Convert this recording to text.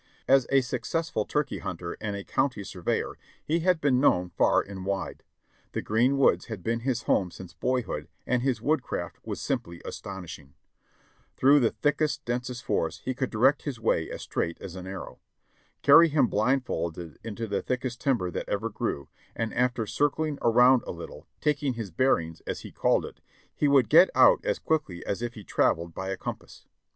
As a successful turkey hunter and a county surveyor he had been known far and wide; the green woods had been his home since boyhood and his woodcraft was simply astonishing. Through the thickest, densest forest he could direct his way as straight as an arrow. Carry him blindfolded into the thickest timber that ever grew, and after circling around a little, taking his bearings, as he called it, he would get out as quick ly as if he traveled by a compass.